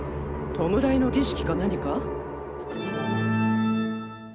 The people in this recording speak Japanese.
弔いの儀式か何か？